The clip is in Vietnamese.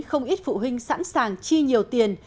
không ít phụ huynh sẵn sàng chi nhiều tiền